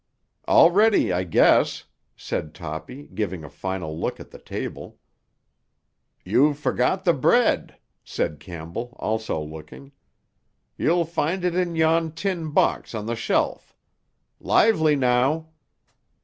"All ready, I guess," said Toppy, giving a final look at the table. "You've forgot the bread," said Campbell, also looking. "You'll find it in yon tin box on the shelf. Lively, now."